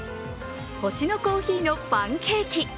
星乃珈琲のパンケーキ。